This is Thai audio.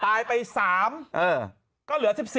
ตายไป๓ก็เหลือ๑๔